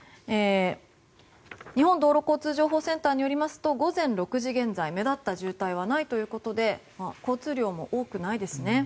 日本道路交通情報センターによりますと午前６時現在目立った渋滞はないということで交通量も多くないです。